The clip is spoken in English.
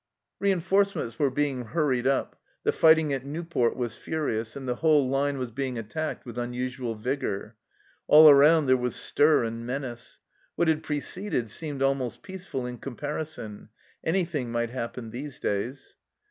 Reinforcements were being hurried up. The fighting at Nieuport was furious, and the whole line was being attacked with unusual vigour ; all around there was stir and menace. What had pre ceded seemed almost peaceful in comparison ; any thing might happen these days.